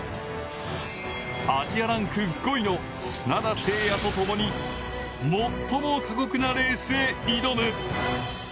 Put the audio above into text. アジアランク５位の砂田晟弥と共に最も過酷なレースへ挑む。